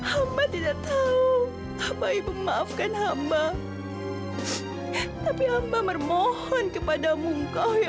amat tidak tahu apa itu maafkan ama tapi hamba meremohon kepadamu engkau ya allah